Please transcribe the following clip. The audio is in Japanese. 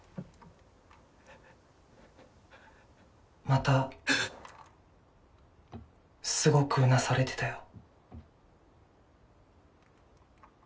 またすごくうなされてたよ